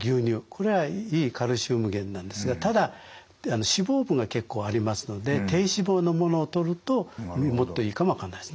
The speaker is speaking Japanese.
これはいいカルシウム源なんですがただ脂肪分が結構ありますので低脂肪のものをとるともっといいかも分かんないですね。